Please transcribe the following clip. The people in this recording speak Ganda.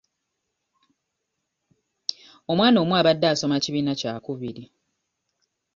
Omwana omu abadde asoma kibiina kya kubiri.